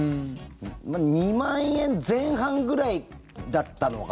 ２万円前半ぐらいだったのが。